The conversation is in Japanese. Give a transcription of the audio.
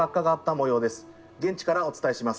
現地からお伝えします。